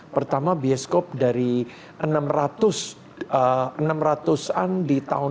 pertama bioskop dari enam ratus an di tahun dua ribu